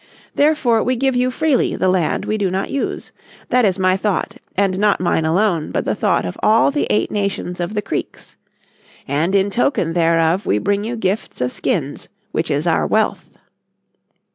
Therefore we give you freely the land we do not use. That is my thought and not mine alone but the thought of all the eight nations of the Creeks. And in token thereof we bring you gifts of skins which is our wealth."